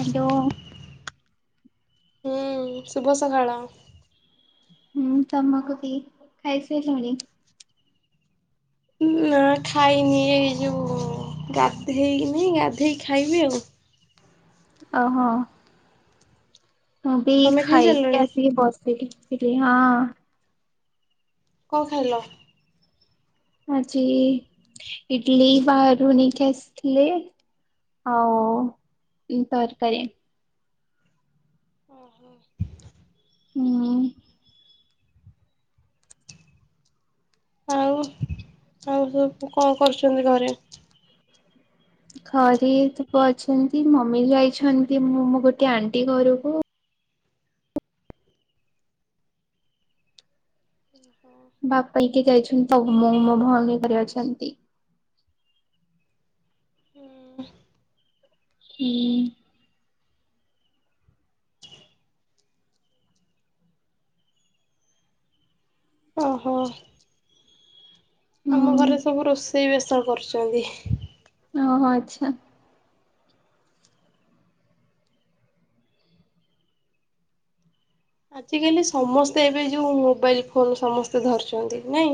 Hello. ହୁଁ ଶୁଭ ସକାଳ। ହୁଁ ତମକୁ ବି ଖାଇସାରିଲଣି। ନା ଖାଇନି ଏଇ ଯୋଉ। ଗାଧେଇନି ଗାଧେଇକି ଖାଇବି ଆଉ। ଓହୋ। ମୁଁ ବି ତମେ ଖାଇକି ଖାଇସାରିଲଣି ଆସିକି ବସିକି ଟିକେ ହଁ। କଣ ଖାଇଲ? ଆଜି ଇଡଲି ବାହାରୁୁ ନେଇକି ଆସିଥିଲେ ଆଉ ତରକାରୀ। ଓ ହୋ। ହୁଁ ଆଉ ଆଉ ସବୁ କଣ କରୁଛନ୍ତି ଘରେ? ଘରେ ତ ଅଛନ୍ତି ମମି ଯାଇଛନ୍ତି ମୁଁ ମୋ ଗୋଟେ ଆଣ୍ଟି ଘରକୁ। ବାପା ହେଇଁକ ଯାଇଛନ୍ତି ତ ମୁଁ ମୋ ଭଉଣୀ ଘରେ ଅଛନ୍ତି। ହୁଁ। ଓହୋ। ଆମ ହୁଁ ଘରେ ସବୁ ରୋଷେଇ ବେସ କରୁଛନ୍ତି। ଓହୋ ଆଛା। ଆଜ କାଲି ସମସ୍ତେ ଏବେ ଯୋଉ ମୋବାଇଲ ଫୋନ ସମସ୍ତେ ଧରିଛନ୍ତି ନାଇଁ।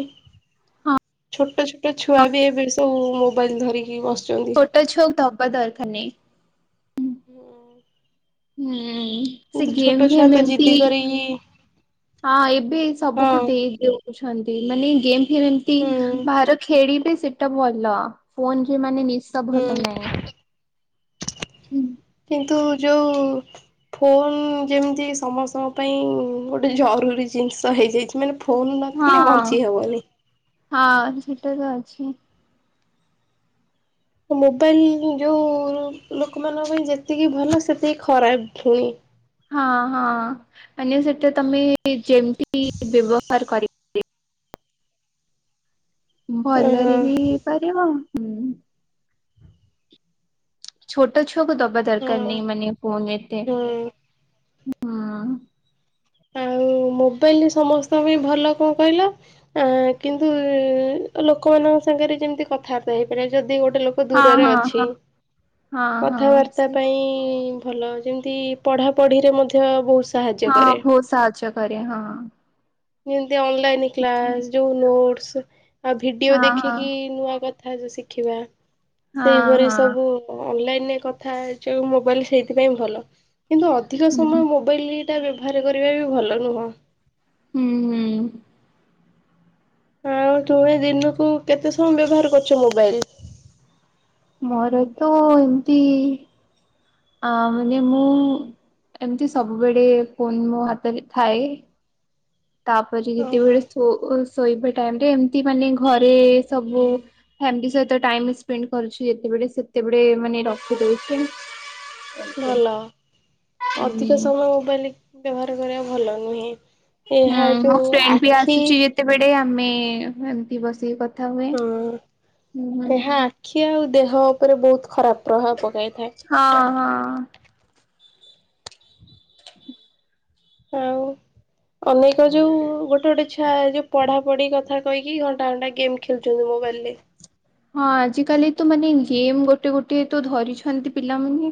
ହଁ ଛୋଟ ଛୋଟ ଛୁଆ ବି ଏବେ ସବୁ ମୋବାଇଲ ଧରିକି ବସ୍ ଛୋଟ ଛୁଆକୁ ଦେବା ଦରକାର ନାଇ। ହୁଁ ସେ କିନ୍ତୁ ଛୋଟ ଗେମ୍ ଛୁଆ ଫେମ୍ ତ ଏମତି ଜିଦି କରିକି ହଁ ଏବେ ସବୁକୁ ହଁ ଦେଇଦଉ। ଛନ୍ତି ମାନେ ଗେମ୍ ଫେମ୍ ଏମତି ହୁଁ ବାହାର ଖେଳିବେ ସେଟା ଭଲ ଫୋନ ମାନେ ନିଶ ହୁଁ। ଭଲ ନାଇଁ। କିନ୍ତୁ ଯୋଉଁ ଫୋନ ଯେମିତି ସମସ୍ତଙ୍କ ପାଇଁ ଗୋଟେ ଜରୁରୀ ଜିନିଷ ହେଇଯାଇଛି ମାନେ ଫୋଲ ହଁ ନଥିଲେ ବଞ୍ଚି ହବନି। ହଁ ସେଟା ତ ଅଛି। ମୋବାଇଲ ଯୋଉ ଲୋକମାନଙ୍କ ପାଇଁ ଯେତିକି ଭଲ ସେତିକି ଖରାପ ପୁଣି। ହଁ ହଁ ମାନେ ସେଇଟା ତମେ ଯେମିତି ବ୍ୟବହାର କର ଭଲରେ ଓହୋ ବି ହେଇପାରିବ ହୁଁ ଛୋଟଛୋ ସୁ ଦବା ଦରକାର ହଁ ନାହିଁ ମାନେ ଫୁନ ଏତେ। ହୁଁ ହଁ ମୋବାଇଲ ସମସ୍ତଙ୍କ ପାଇଁ ଭଲ କଣ କହିଲା କିନ୍ତୁ ଲୋକମାନଙ୍କ ସାଙ୍ଗରେ ଯେମତି କଥାବାର୍ତା ହେଇ ପରିବା ଯଦି ଗୋଟେ ଗୋଟେ ଲୋକ ହଁ ଦୂରରେ ହଁ ଅଛି ହଁ ହଁ ହଁ କଥାବାର୍ତ୍ତା ସେ ପାଇଁ ଭଲ ଯେମିତି ପଢାପଢିରେ ମଧ୍ୟ ବହୁତ ସାହାଯ୍ୟ କରେ। ବହୁତ ସାହାଯ୍ୟ ରେ ହଁ। ଯେମତି ଅନଲାଇନ ହଁ। କ୍ଲାସ ଯୋଉ ନୋଟ ଆ ଭିଡିଓ ହଁ ହଁ ଦେଖିକି ନୂଆ କଥା କ ଶିଖିବା ହଁ ସେଇପରି ହଁ ସବୁ ଅନଲାଇନ ଦ କଥା ମୋବାଇଲ ସେଇଥିପାଇ ଭଲ କିନ୍ତୁ ଅଧିକ ହୁଁ ସମୟ ମୋବାଇଲ ସେଟା ବ୍ୟବହାର କରିବା ବି ଭଲ ନୁହଁ। ହୁଁ ହୁଁ। ହଁ ତୁମେ ଦିନକୁ କେତେ ସମୟ ବ୍ୟବହାର କରୁଛ ମୋବାଇଲ? ମୋର ତ ଏମତି ଆ ମାନେ ମୁଁ ଏମିତି ସବୁବେଳେ ଫୋନ୍ ମୋ ହାତରେ ଥାଏ। ତାପରେ ଓହୋ ଯେତେବେଳେ ଶୋଇବା ଟାଇମରେ ଏମତି ମାନେ ଘରେ ସବୁ ଫାମିଲି ସହିତ ଟାଇମ ସ୍ପେଣ୍ଡ କରୁଛ ଯେତେବେଳେ ସେତେବେଳେ ମାନେ ରଖି ଦଉଚି। ଭଲ ଅଧିକ ସମୟ ମୋବାଇଲ ବ୍ୟବହାର କରିବା ଭଲ ନୁହେଁ। ହୁଁ ଏହା ମୋ ଯୋଉ ଫ୍ରେଣ୍ଡ ବି ଆଖି ଆସୁଛି ଯେତେବେଳେ ଆମେ ଏମତି ବସିକି କଥା ହୁଏ। ହଁ। ହୁଁ ହୁଁ। ଏହା ଆଖି ଆଉ ଦେହ ଉପରେ ବହୁତ ଖରାପ ପ୍ରଭାବ ପକାଇଥାଏ। ହଁ ହଁ। ହୋଉ ଅନେକ ଯୋଉ ଗୋଟେ ଗୋଟେ ଛୁଆ ଯୋଉ ପଢାପଢି କଥା କହିକି ଘଣ୍ଟା ଘଣ୍ଟା ଗେମ୍ ଖେଳୁଛନ୍ତି। ମୋ ରିଏଲ୍ଲୀ। ହଁ ଆଜି କାଲି ତ ମାନେ ଗେମ୍ ଗୋଟେ ଗୋଟେ ତ ଧରିଛନ୍ତି ପିଲାମାନେ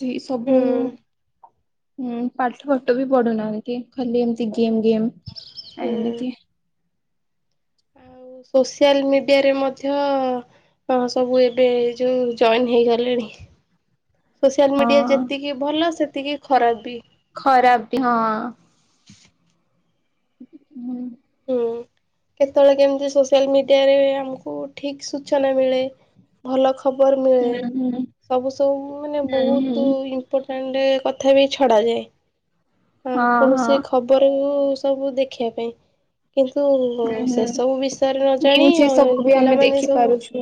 ସେ ସବୁ ହୁଁ। ଉଁ ପାଠ ଫାଠ ବି ପଢୁନାହାନ୍ତି। ଖାଲି ଏମିତି ଗେମ୍ ଗେମ୍ ହୁଁ ଏମିତି ଆଉ ସୋସିଆଲ ମିଡିଆରେ ମଧ୍ୟ ହଁ ସବୁ ଏବେ ଏ ଯୋଉ ଜଏନ୍ ହେଇଗଲେଣି। ସୋସିଆଲ ମିଡିଆ ହଁ ଯେତିକି ଭଲ ସେତିକି ଖରାପ ବି। ଖରାପ ବି ହଁ। ହୁଁ। ହୁଁ। କେତେବେଳେ କେମିତି ସୋସିଆଲ ମିଡିଆରେ ଆମକୁ ଠିକ୍ ସୂଚନା ମିଳେ ଭଲ। ଖବର ହୁଁ ମିଳେ ହୁଁ ସବୁ ସବୁ ମାନେ ହୁଁ ହୁଁ ବହୁତ ଇମ୍ପୋର୍ଟାଣ୍ଟ କଥା ବି ଛଡାଯାଏ ଆ ହଁ ହଁ କୌଣସି ଖବର ସବୁ ଦେଖିବା ପାଇଁ କିନ୍ତୁ ହୁଁ ସେ ହୁଁ। ସବୁ ବିଷୟରେ ନ ଜାଣି ନ୍ୟୁଜ ଏ ସବୁ ବି ଆମେ ପିଲାମାନେ ଦେଖି ସବୁ ପାରୁଛୁ।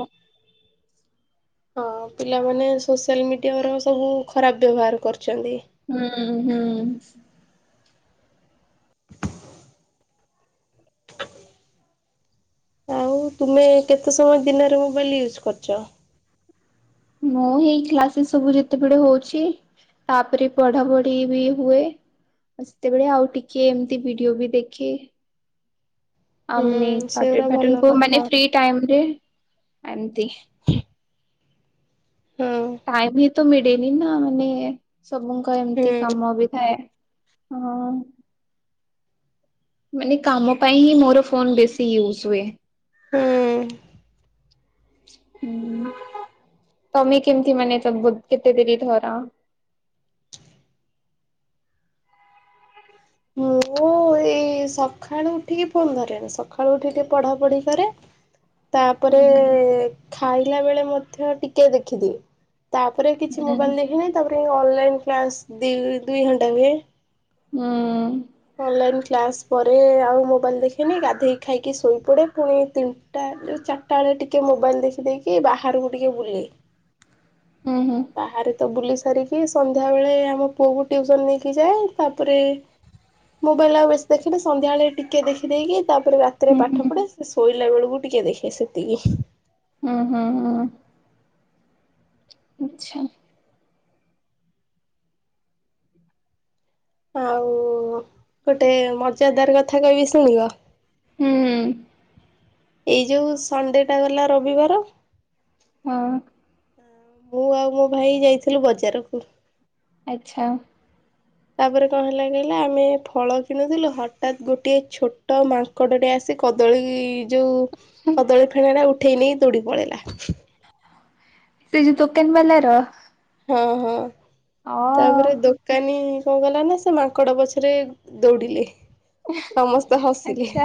ହଁ ପିଲାମାନେ ସୋସିଆଲ ମିଡିଆ ର ସବୁ ଖରାପ ବ୍ୟବହାର କରୁ ହୁଁ ହୁଁ। [unintelligible] ଆଉ ତୁମେ କେତେ ସମୟ ଦିନରେ ମୋବାଇଲ୍ ୟୁଜ୍ କରୁଚ? ମୁଁ ଏଇ କ୍ଲାସ ସବୁ ଯେତେବେଳେ ହଉଛି ତାପରେ ପଢା ପଢି ବି ହୁଏ। ସେତେବେଳେ ଆଉ ଟିକେ ଏମିତି ଭିଡିଓ ବି ଦେଖେ। ଆଉ ହୁଁ ମାନେ ସେଗୁରା ଆଟେଣ୍ଡ ଫାଟନଡ୍ ଭଲ କରୁନା କି, କଥା ମାନେ ଫ୍ରି ଟାଇମ୍ ରେ ଏମତି। ହଁ ଟାଇମ୍ ହିଁ ତ ମିଳେନି ନା ମାନେ ସବୁଙ୍କ ଏମିତି ହୁଁ। କାମ ବି ଥାଏ। ହଁ। ମାନେ କାମ ପାଇଁ ହିଁ ମୋର ଫୋନ ବେଶୀ ୟୁଜ ହୁଏ। ହଁ। ହୁଁ। ତମେ କେମିତି ମାନେ କେତେ ଦିନି ଧର? ମୁଁ ଏଇ ସକାଳୁ ଉଠିକି ଫୋନ୍ ଧରେନି, ସକାଳୁ ଉଠିକି ଟିକେ ପଢା ପଢି କରେ ତାପରେ ହୁଁ ଖାଇଲା ବେଳେ ମଧ୍ୟ ଟିକେ ଦେଖିଦିଏ। ତାପରେ କିଛି ମୋବାଇଲ ଦେଖିନାହିଁ, ତାପରେ ଅନଲାଇନ କ୍ଲାସ ଦି ଦିଘଣ୍ଟା ହୁଏ। ହୁଁ। ଅନଲାଇନ କ୍ଲାସ ପରେ ଆଉ ମୋବାଇଲ ଦେଖେନି, ଗାଧେଇ ଖାଇକି ଶୋଇ ପଡେ ପୁଣି ତିନିଟା ଉ ଚାରିଟା ବେଳେ ଟିକେ ମୋବାଇଲ ଦେଖିଦେଇକି ବାହାରକୁ ଟିକେ ବୁଲେ। [unintelligible] ହୁଁ ହୁଁ ହଁ ହୁଁ। ବାହାରେ ତ ବୁଲି ଧରିକି ସନ୍ଧ୍ୟା ବେଳେ ଆମ ପୁଅକୁ ଟିଉସନ ନେଇକି ଯାଏ। ତାପରେ ମୋବାଇଲ ଆଉ ବେଶୀ ଦେଖେନି, ସନ୍ଧ୍ୟାବେଳେ ଟିକେ ଦେଖି ଦେଇକି ତାପରେ ରାତିରେ ପାଠ ହୁଁ ପଢେ ଶୋଇ ଶୋଇଲା ବେଳକୁ ଟିକେ ଦେଖେ ସେତିକି। ହୁଁ- ହୁଁ- ହୁଁ। ଆଚ୍ଛା। ଆଉ ଗୋଟେ ମଜାଦାର କଥା କହିବି ଶୁଣିବ? ହୁଁ। ଏଇ ଯୋଉ ସଣ୍ଡେ ଟା ଗଲା ରବିବାର ହଁ। ମୁଁ ଆଉ ମୋ ଭାଇ ଯାଇଥିଲୁ ବଜାରକୁ। ଆଚ୍ଛା। ତାପରେ କଣ ହେଲା କହିଲା ଆମେ ଫଳ କିଣୁଥିଲୁ ହଠାତ୍ ଗୋଟିଏ ଛୋଟ ମାଙ୍କଡ ଟେ ଆସି ସେ କଦଳୀ ଯୋଉ କଦଳୀ ଫେଣା ଟା ଉଠେଇ ନେଇ ଦୋଡି ପଳେଇଲା। ସେ ଯୋଉ ଦୋକାନ ବାଲାର ହଁ- ହଁ ଅ ତାପରେ ଦୋକାନୀ କଣ କଲା ନା ସେ ମାଙ୍କଡ ପଛରେ ଦୌଡ଼ିଲେ। ସମସ୍ତେ ହସିଲେ। ଆଚ୍ଛା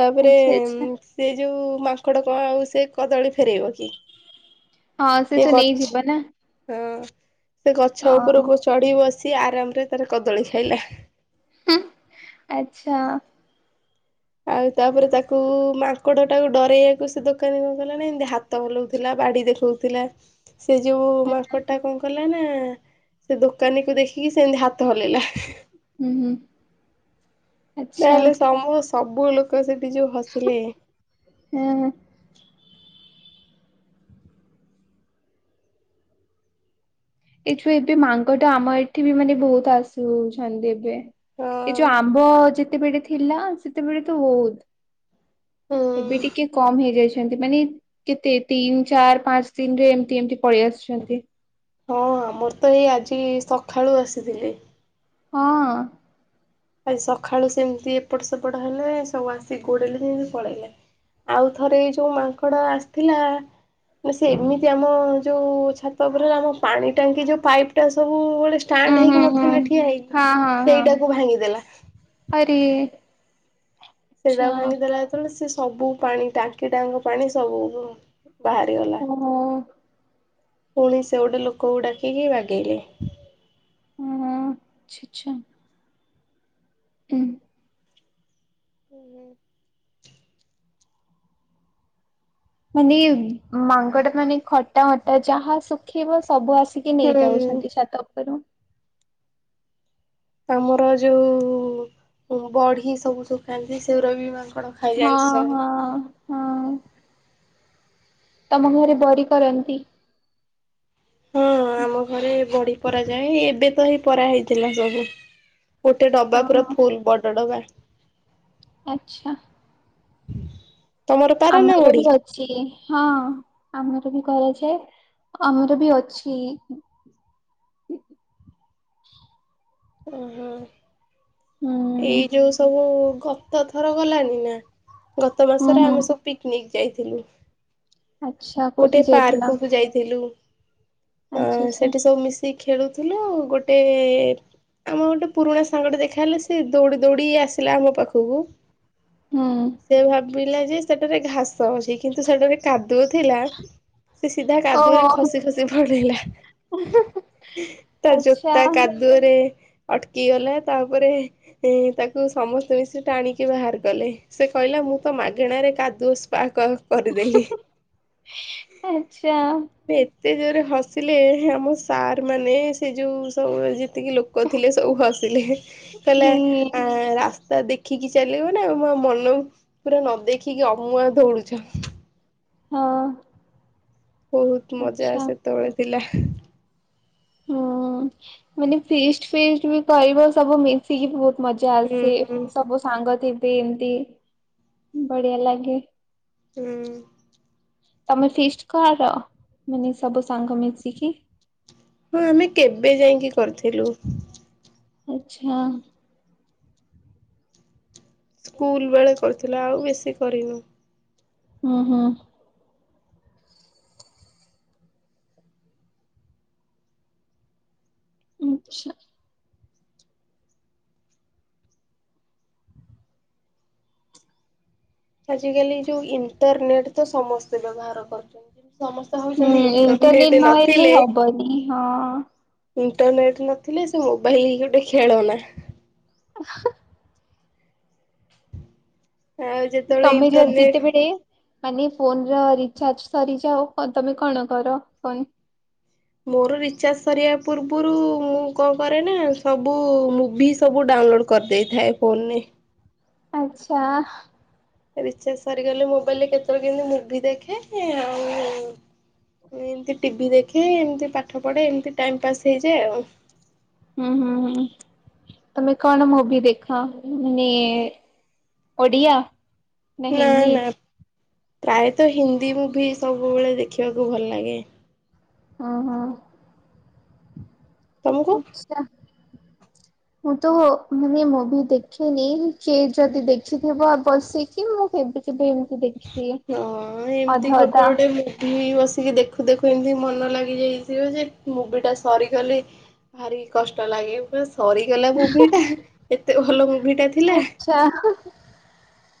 ତାପରେ ଆଚ୍ଛା ଆଚ୍ଛା। ଉଁ, ସେ ଯୋଉ ମାଙ୍କଡ କଣ ଆଉ ସେ କଦଳୀ ଫେରେଇବ କି? ହଁ ସେ ତ ନେଇଯିବ ନା। ହଁ ସେ ଗଛ ହଁ ଉପରକୁ ଚଢି ବସି ଆରାମ ରେ ତାର କଦଳୀ ଖାଇଲା ହୁଁ ଆଛା ଆଉ ତାପରେ ତାକୁ ମାଙ୍କଡ ଟାକୁ ଡରେଇବାକୁ ସେ ଦୋକାନୀ କଣ କଲା ନା ଏମିତି ହାତ ହଲଉଥିଲା ବାଡ଼ି ଦେଖାଉଥିଲା ସେ ଯଉ ମାଙ୍କଡ଼ ଟା କଣ କଲା ପାନା ସେ ଦୋକାନୀ କୁ ଦେଖିକି ସେମିତି ହାତ ହଲେଇଲା। ଉଁ ହୁଁ। ଆଚ୍ଛା ନହେଲେ ସମୁ ସବୁ ଲୋକ ସହିତ ପିଜୁ ହସିଲେ। ହଁ ଏଇଠୁ ଏବେ ମାଙ୍କଡ ଆମ ଏଠି ବି ମାନେ ବହୁତ ଆସୁଛନ୍ତି ଏବେ ଏ ଯୋଉ ହଁ ଆମ୍ବ ଯେତେବେଳେ ଥିଲା ସେତେବେଳେ ତ ହୁଁ ବହୁତ ଏବେ ଟିକେ କମ୍ ହେଇଯାଇଛି। ମାନେ କେତେ ତିନି ଚାରି ପାଞ୍ଚ ଦିନରେ ଏମତି ଏମତି ପଳେଇ ଆସୁଛନ୍ତି। ହଁ ମୋର ତ ଏଇ ଆଜି ସକାଳୁ ଆସିଥିଲି। ହଁ। ଆଜି ସକାଳୁ ସେମିତି ଏପଟ ସେପଟ ହେଲେ ସବୁ ଆସିକି ଗୋଡେଇଲେ ସେମିତି ପଳେଇଲେ। ଆଉ ଥରେ ଏଇ ଯୋଉ ମାଙ୍କଡ ଆସିଥିଲା ନା ସେ ଏମିତି ଆମ ଯୋଉ ଛାତ ଉପରରେ ଆମ ପାଣି ଟାଙ୍କି ଯୋଉ ପାଇପ୍ ଟା ସବୁ ଷ୍ଟାଣ୍ଡ ହୁଁ ହୁଁ ହେଇକି ହୁଁ ନଥିଲେ ଠିଆ ହେଇକି ହଁ ହଁ ହଁ ସେଇଟାକୁ ଭାଙ୍ଗି ଆରେ ସେଇଟା ଆଚ୍ଛା ଭାଙ୍ଗିଦେଲା ଯେତେବେଳେ ସେି ସବୁ ପାଣି ଟାଙ୍କି ଟାଙ୍କ ପାଣି ସବୁ ବାହାରିଗଲା ଓହୋ। ପୁଣି ସେ ଗୋଟେ ଲୋକକୁ ଡାକିକି ବାଗେଇଲେ। ନାଇଁ ଛି ଛି। ହୁଁ। ହୁଁ ହୁଁ। ମାନେ ମାଙ୍କଡା ମାନେ ଖଟା ମଟା ଯାହା ଶୁଖେଇବ ସବୁ ଆସ ଟେକି ନେଇ ହୁଁ ଯାଉଛନ୍ତି ଛାତ ଉପରୁ ଆମର ଯୋଉ ବଢି ସବୁ ଶୁଖାନ୍ତି ସେଉରା ବି ମାନେ ହଁ ହଁ ହଁ। ତମ ଘରେ ବଡି କରନ୍ତି? ହଁ ଆମ ଘରେ ବଢି ପରା ଯାଏ ଏବେ ତ ହେଇ ପରା ହେଇଥିଲା। ସବୁ ଗୋଟେ ଡବା ହଁ ପୁରା ହଁ ଫୁଲ ବଡ ଡବା। ଆଚ୍ଛା। ତମର ପାର ନା ଆମର ବଢି? ବି ଅଛି ହଁ ଆମର। କରାଯାଏ ଆମର ବି ଅଛି। [inaudible] ଓହୋ। ହୁଁ ଏଇ ଯୋଉ ସବୁ ଗତ ଥର ଗଲଣିି ନା ଗତ ହୁଁ ମାସରେ ହୁଁ ଆମେ ସବୁ ପିକନିକ୍ ଯାଇଥିଲୁ। ଆଚ୍ଛା କୋଉଠି ଗୋଟେ ଯାଇଥିଲା? ପାର୍କକୁ ଯାଇଥିଲୁ। ଅ ଆଚ୍ଛା ଆଚ୍ଛା ସେଠି ସବୁ ମିଶିକି ଖେଳୁଥିଲୁ ଗୋଟେ ଆମ ଗୋଟେ ପୁରୁଣା ସାଙ୍ଗଟେ ଦେଖା ହେଲେ ସେ ଦୌଡି ଦୌଡି ଆସିଲା ଆମ ପାଖକୁ। ହୁଁ। ବିଲ ଯେ ସେଠାରେ ଘାସ ଅଛି କିନ୍ତୁ ସେଠାରେ କାଦୁ ଥିଲା ସେ ସିଧା କାଦୁଅରେ ଓହୋ ଖସି ଖସି ପଢ଼ିଲା। ତା ଆଚ୍ଛା ଜୋତା କାଦୁଅରେ ଅଟକି ଗଲା ତାପରେ ତାକୁ ସମସ୍ତେ ମିଶିକି ଟାଣିକି ବାହାରି କଲେ ସେ କହିଲା ମୁଁ ତ ମାଗେଣାରେ କାଦୁଅ ସ୍ପା କରିଦେଲି। ଆଚ୍ଛା। ଏତେ ଯୋରେ ହସିଲେ ଆମ ସାର୍ ମାନେ ସେ ଯୋଉଁ ସବୁ ଏତିକି ଲୋକ ଥିଲେ ସବୁ ହସିଲେ କହିଲେ ହେ ରାସ୍ତା ଦେଖ ଦେଖିକି ଚାଲିବ ନା ମୋ ମନ ପୁରା ନ ଦେଖିକି ଅମୁଆ ଦୋଉଡୁଚ। ହଁ। ବହୁତ ମଜା ଆଚ୍ଛା ସେତେବେଳେ ଥିଲା। ହୁଁ ମାନେ ଫିଷ୍ଟ ଫିଷ୍ଟ ବି କରିବ ସବୁ ମିଶିକି ବହୁତ ମଜା ହୁଁ ଆସେ ସବୁ ସାଙ୍ଗ ଥିବେ ଏମିତି ବଢିଆ ଲାଗେ। ହୁଁ। ତମେ ଫିଷ୍ଟ କଣ କର, ମାନେ ସବୁ ସାଙ୍ଗ ମିଶିକି? ହଁ ଆମେ କେବେ ଯାଇଁକି କରିଥିଲୁ। ଆଚ୍ଛା। ସ୍କୁଲ ବେଳେ କରୁଥିଲା ଆଉ ବେଶୀ କରିନୁ। ହୁଁ ହୁଁ। ଆଛା। ଆଜି କାଲି ଯୋଉଁ ଇଣ୍ଟରନେଟ ତ ସମସ୍ତେ ବ୍ୟବହାର କରୁଛନ୍ତି। ସମସ୍ତେ ହୁଁ ହଉଛନ୍ତି ଇଣ୍ଟରନେଟ ନହେଲେ ନଥିଲେ ହବନି ହଁ ଇଣ୍ଟରନେଟ ନଥିଲେ ସେ ମୋବାଇଲ ଗୋଟେ ଖେଳ ନା। ଆଉ ଯେତେବେଳେ ତମେ ଯଦି ଇଣ୍ଟରନେଟ ଯେତେବେଳେ ମାନେ ଫୋନ ର ରିଚାର୍ଜ ସରିଯାଅ ତମେ କଣ କର କ ମୋର ରିଚାର୍ଜ ସରିବା ପୂର୍ବରୁ ମୁଁ କଣ କରେ ନା ସବୁ ମୁଭି ସବୁ ଡ଼ାଉ ଡାଉନଲୋଡ କରିଦେଇଥାଏ ଫୋନରେ। ଆଛା। ରିଚାର୍ଜ ସରିଗଲେ ମୋବାଇଲରେ କେତେବେଳେ କେମତି ମୁଁଭି ଦେଖେ ଆଉ ଏମିତି ଟିଭିି ଦେଖେ ଏମିତି ପାଠ ପଢେ ଏମତି ଟାଇମ ପାସ୍ ହେଇଯାଏ ଆଉ ହୁଁ ହୁଁ ହୁଁ ତମେ କଣ ମୁଭି ଦେଖା ମାନେ ଓଡ଼ିଆ ନା ହିନ୍ଦୀ। ପ୍ରାୟତଃ ହିନ୍ଦୀ ମୁଭି ସବୁବେଳେ ଦେଖିବାକୁ ଭଲ ଲାଗେ। ହ ହୋ ତମକୁ? ଆଚ୍ଛା। ମୁଁ ତ ମାନେ ମୁଁଭି ଦେଖେନି କିଏ ଯଦି ଦେଖିଥିବ ବସିକି ମୁଁ ଏବେ କେବେ ଏମିତି ଦେଖି ହଁ ଏମତି ଗୋଟେ ଗୋଟେ ମୁଭି ବସିକି ଦେଖୁ ଦେଖୁ ଏମିତି ମନ ଲାଗିଯାଇଥିବ ଯେ ମୁଭି ଟା ସରିଗଲେ ଭାରି କଷ୍ଟ ଲାଗେ ବ ସରିଗଲା ମୁଭି ଟା ଏତେ ଭଲ ମୁଭି ଟା ଥିଲା। ଆଚ୍ଛା ହଁ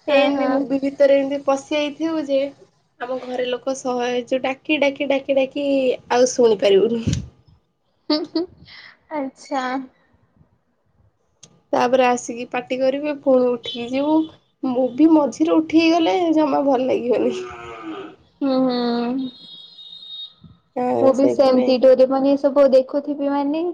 ଏ ଏମତି ମୁ ବି ଭିତରେ ଏମତି ପଶିଯାଇଥିବୁ ଯେ ଆମ ଘରେ ଲୋକ ସହ ଯ ଡାକି ଡାକି ଡାକି ଡାକି ଆଉ ଶୁଣି ପାରିବୁନି। ଆଚ୍ଛା। ହ ତାପରେ ଆସିକି ପାଟି କରିବେ ପୁଣି ଉଠିକି ଯିବୁ ମୁଭି ମଝିରେ ଉଠିକି ଗଲେ ଜମା ଭଲ ଲାଗିବନି। ହୁଁ ହୁଁ। ହଁ ମୁଁ ବି ସେଇ ସେଇଥିପାଇଁ। ୱାନିଙ୍ଗ।